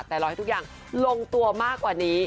แต่รอให้ทุกอย่างลงตัวมากกว่านี้